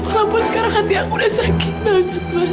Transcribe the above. walaupun sekarang hati aku udah sakit banget man